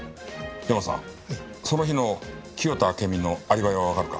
ヤマさんその日の清田暁美のアリバイはわかるか？